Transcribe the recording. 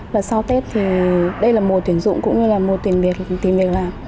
và sau tết thì đây là mùa tuyển dụng cũng như là mùa tuyển việc làm